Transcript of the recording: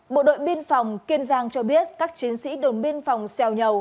bộ đội biên phòng kiên giang cho biết các chiến sĩ đồn biên phòng xèo nhầu